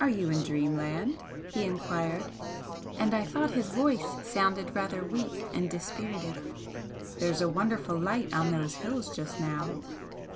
"Are you in dreamland?" he enquired and I thought his voice sounded rather weak and dispirited "There's a wonderful light on those hills just now."